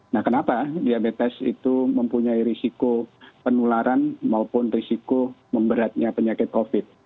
nah kenapa diabetes itu mempunyai risiko penularan maupun risiko memberatnya penyakit covid